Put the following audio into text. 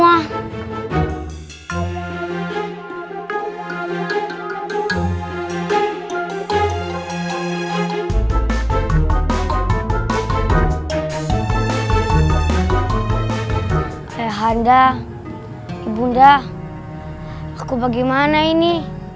ayahanda ibu bunda aku bagaimana ini